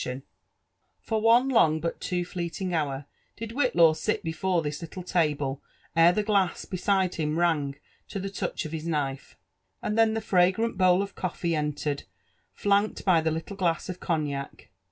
tSO LIFE AND ADVENTURES OF For one long but too fleeting hour did Whitlaw sit before this little table ere (he glass beside him rang (o the (ouch of his knife ; and then the fragran( bowl of coflee en(ered, flanked by thelUUe glass of Cogniac.